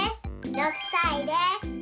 ６さいです。